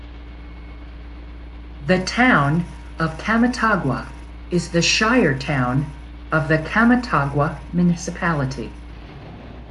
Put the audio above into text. The town of Camatagua is the shire town of the Camatagua Municipality.